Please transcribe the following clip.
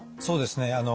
そうですね。